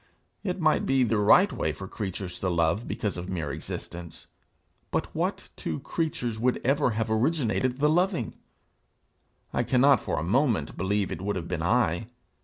It might be the right way for creatures to love because of mere existence, but what two creatures would ever have originated the loving? I cannot for a moment believe it would have been I.